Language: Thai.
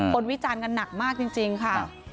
วิจารณ์กันหนักมากจริงค่ะ